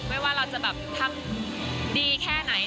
ไม่ว่าเราจะทำดีแค่ไหน